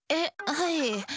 はい。